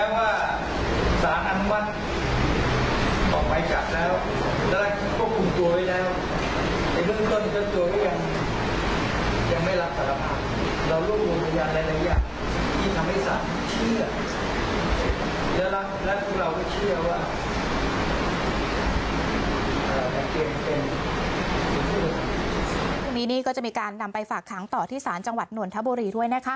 วันนี้ก็จะมีการนำไปฝากขังต่อที่ศาลจังหวัดนวลธบุรีด้วยนะคะ